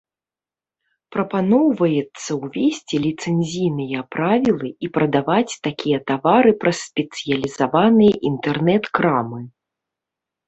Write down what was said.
Прапаноўваецца ўвесці ліцэнзійныя правілы і прадаваць такія тавары праз спецыялізаваныя інтэрнэт-крамы.